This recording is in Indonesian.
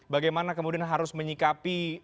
bagaimana kemudian harus menyikapi